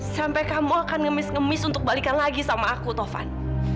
sampai kamu akan ngemis ngemis untuk balikan lagi sama aku tovan